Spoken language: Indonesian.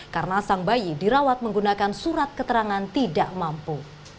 karena sang bayi dirawat menggunakan surat keterangan tidak mampu